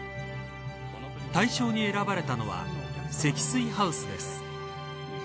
大賞に選ばれたのは積水ハウスです。